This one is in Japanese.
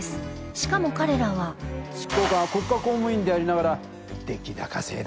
しかも彼らは執行官は国家公務員でありながら出来高制だから。